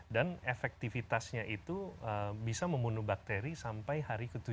dan efektivitasnya itu bisa membunuh bakteri sampai hari ke tujuh